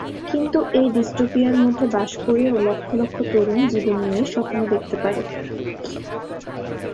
কিন্তু এই ডিস্টোপিয়ার মধ্যে বাস করেও লক্ষ লক্ষ তরুণ জীবন নিয়ে স্বপ্ন দেখতে পারে।